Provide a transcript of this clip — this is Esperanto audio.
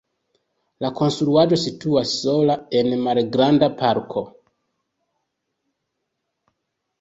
La konstruaĵo situas sola en malgranda parko.